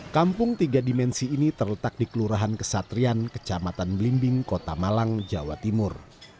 kampung tiga dimensi ini terletak di kelurahan kesatrian kecamatan belimbing kota malang jawa timur